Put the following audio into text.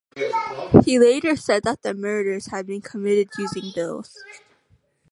He later said that the murders had been committed using bills.